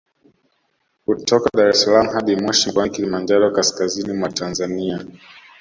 Kutoka Dar es salaam hadi Moshi mkoani Kilimanjaro kaskazini mwa Tanzania